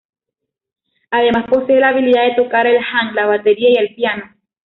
Además, posee la habilidad de tocar el hang, la batería y el piano.